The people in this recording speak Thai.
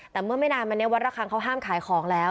แต่เมื่อไม่นานมาเนี่ยวัดระคังเขาห้ามขายของแล้ว